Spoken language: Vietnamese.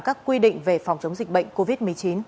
các quy định về phòng chống dịch bệnh covid một mươi chín